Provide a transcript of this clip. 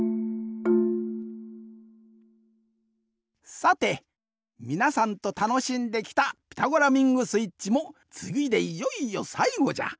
さてみなさんとたのしんできた「ピタゴラミングスイッチ」もつぎでいよいよさいごじゃ。